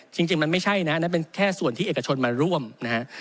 จริงมันไม่ใช่นะนั่นเป็นแค่ส่วนที่เอกชนมาร่วมนะฮะ